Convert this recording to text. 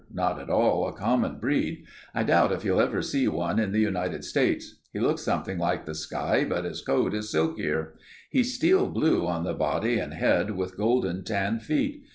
Not at all a common breed. I doubt if you'll ever see one in the United States. He looks something like the Skye, but his coat is silkier. He's steel blue on the body and head, with golden tan feet.